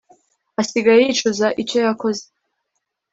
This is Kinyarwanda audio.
asigaye yicuza icyo yakoze